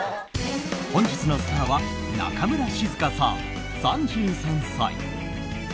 本日のスターは中村静香さん、３３歳。